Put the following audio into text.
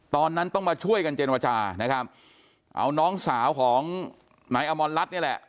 ตอนนั้นต้องมาช่วยกันเจรจานะครับเอาน้องสาวของนายอมรรัฐนี่แหละ